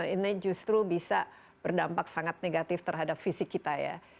ini justru bisa berdampak sangat negatif terhadap fisik kita ya